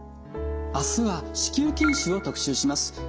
あすは子宮筋腫を特集します。